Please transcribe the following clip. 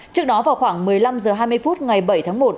trước đó vào khoảng một mươi năm h hai mươi phút ngày bảy tháng một